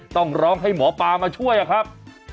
ต้องร้องให้หมอปลามาช่วยอะครับ